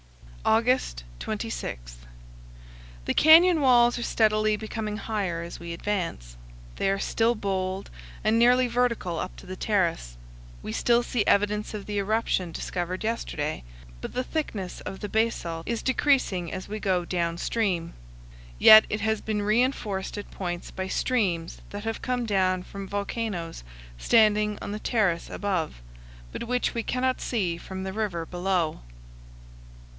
August 26. The canyon walls are steadily becoming higher as we advance. They are still bold and nearly vertical up to the terrace. We still see evidence of the eruption discovered yesterday, but the thickness of the basalt is decreasing as we go down stream; yet it has been reinforced at points by streams that have come down from volcanoes standing on the terrace above, but which we cannot see from the river below.